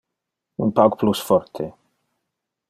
Un pauc plus forte.